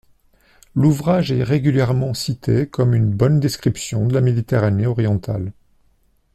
L'ouvrage est régulièrement cité comme une bonne description de la Méditerranée orientale.